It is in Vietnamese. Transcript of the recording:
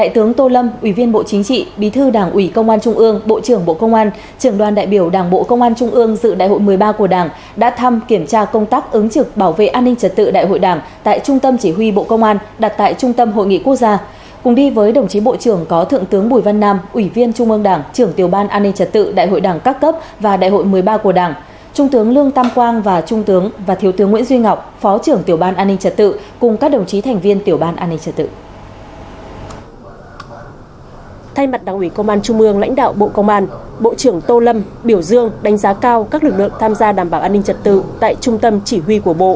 tổng thống bùi văn nam ủy viên trung ương đảng trưởng tiểu ban an ninh trật tự đại hội đảng các cấp và đại hội một mươi ba của đảng trung tướng lương tam quang và trung tướng và thiếu tướng nguyễn duy ngọc phó trưởng tiểu ban an ninh trật tự cùng các đồng chí thành viên tiểu ban an ninh trật tự